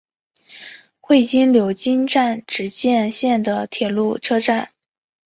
会津柳津站只见线的铁路车站。